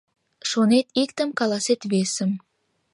Шонет — иктым, каласет — весым...